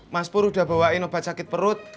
mas pur udah bawain obat sakit perut